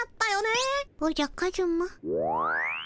おじゃカズマ。